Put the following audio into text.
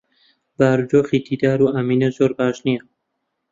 بارودۆخی دیدار و ئامینە زۆر باش نییە.